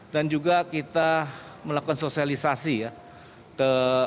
dan juga kita melakukan sosialisasi ya